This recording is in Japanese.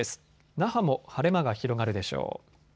那覇も晴れ間が広がるでしょう。